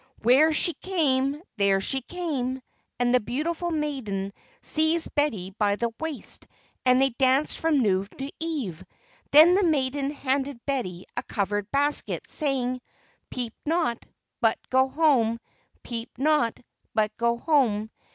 Where she came, there she came! and the beautiful maiden seized Betty by the waist, and they danced from noon to eve. Then the maiden handed Betty a covered basket, saying: "_Peep not, but go home! Peep not, but go home!